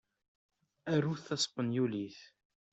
Arut taspenyulit.